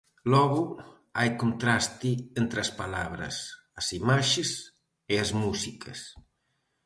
Logo, hai contraste entre as palabras, as imaxes e as músicas.